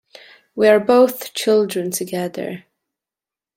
We are both children together.